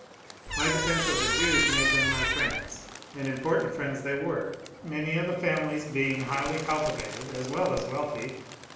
My defence of the Jews made them my friends, and im portant friends they were, many of the families being highly cultivated as well as wealthy.